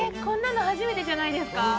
こんなの初めてじゃないですか！